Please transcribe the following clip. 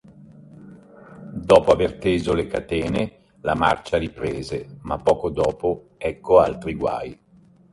Dopo aver teso le catene, la marcia riprese, ma poco dopo ecco altri guai.